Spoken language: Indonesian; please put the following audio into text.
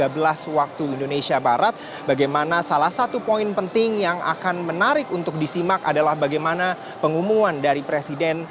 pada waktu indonesia barat bagaimana salah satu poin penting yang akan menarik untuk disimak adalah bagaimana pengumuman dari presiden